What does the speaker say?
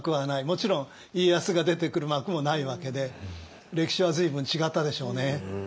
もちろん家康が出てくる幕もないわけで歴史は随分違ったでしょうね。